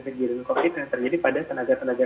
kejadian covid yang terjadi pada tenaga tenaga